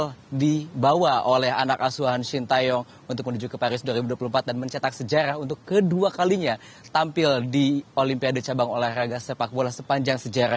yang dibawa oleh anak asuhan shin taeyong untuk menuju ke paris dua ribu dua puluh empat dan mencetak sejarah untuk kedua kalinya tampil di olimpiade cabang olahraga sepak bola sepanjang sejarah